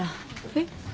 えっ？